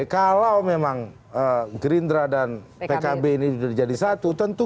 kalau memang gerindra dan pkb ini jadi satu